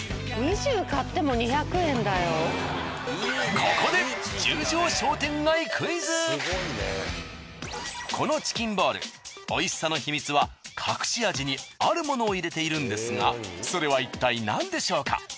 ここでこのチキンボール美味しさの秘密は隠し味にあるものを入れているんですがそれはいったいなんでしょうか？